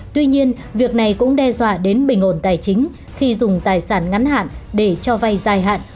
tuy nhiên việc này cũng đe dọa đến bình ổn tài chính khi dùng tài sản ngắn hạn để cho vay dài hạn